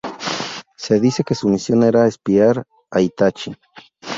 Se dice que su misión era espiar a Itachi.